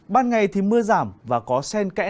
ban ngày thì mưa giảm và có sen kẽ